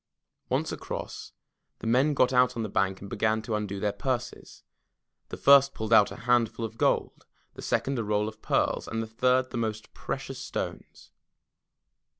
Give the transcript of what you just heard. Once across, the men got out on the bank and began to undo their purses. The first pulled out a handful of gold, the second a roll of pearls, and the third the most precious stones.